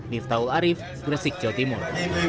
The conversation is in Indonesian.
miftahul arief gresik jawa timur